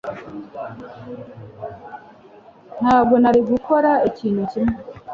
Ntabwo nari gukora ikintu kimwe